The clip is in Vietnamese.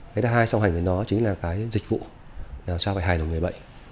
cái thứ hai song hành với nó chính là cái dịch vụ làm sao phải hài lòng người bệnh